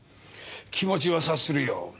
気持ちは察するよ。